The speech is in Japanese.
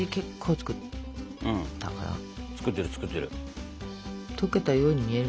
作ってる作ってる。